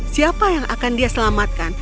siapa yang akan dia selamatkan